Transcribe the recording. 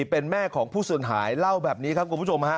เป็นแม่ของผู้สูญหายเล่าแบบนี้ครับคุณผู้ชมฮะ